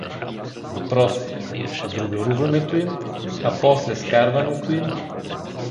Въпрос: А другаруването им, а после скарването им?